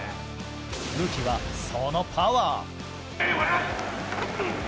武器は、そのパワー。